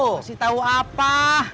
ngasih tau apa